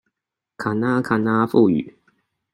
卡那卡那富語